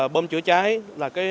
bơm chữa chảy là